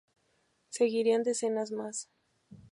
Seguirían decenas más.